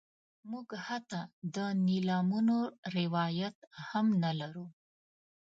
موږ حتی د نیلامونو روایت هم نه لرو.